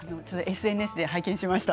ＳＮＳで拝見しました。